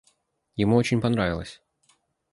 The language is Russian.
Ему очень понравилось.